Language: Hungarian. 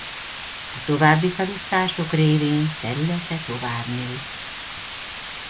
A további felosztások révén területe tovább nőtt.